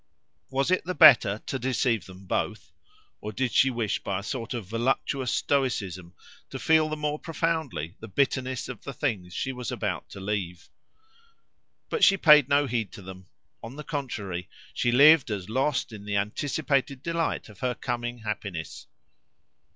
Was it the better to deceive them both? Or did she wish by a sort of voluptuous stoicism to feel the more profoundly the bitterness of the things she was about to leave? But she paid no heed to them; on the contrary, she lived as lost in the anticipated delight of her coming happiness.